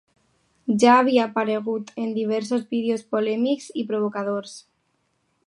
Ja havia aparegut en diversos vídeos polèmics i provocadors.